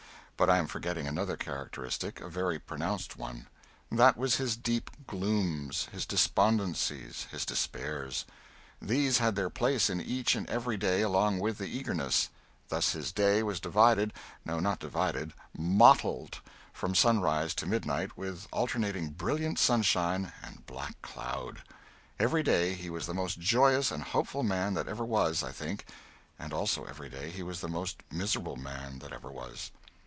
But I am forgetting another characteristic, a very pronounced one. That was his deep glooms, his despondencies, his despairs; these had their place in each and every day along with the eagernesses. Thus his day was divided no, not divided, mottled from sunrise to midnight with alternating brilliant sunshine and black cloud. Every day he was the most joyous and hopeful man that ever was, I think, and also every day he was the most miserable man that ever was.